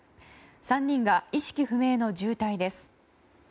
３人が意識不明の重体です。